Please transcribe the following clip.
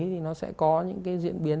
thì nó sẽ có những cái diễn biến